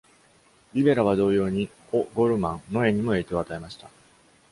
Rivera は、同様に、O'Gorman の絵にも影響を与えました。